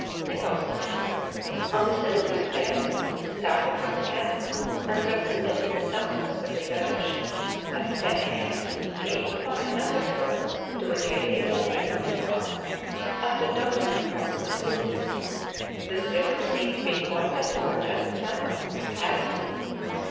Nicholson River. On the 17th January, started from the camp, and proceeded in a south westerly direction. At ten a.m. came upon another river, to which I gave the name of the Nicholson, after Dr. Nicholson, of Sydney. This river seemed to be quite as large as the Tambo, and as deep.